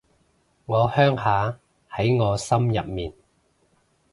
我鄉下喺我心入面